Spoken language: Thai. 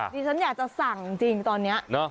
ที่ฉันอยากจะสั่งจริงตอนนี้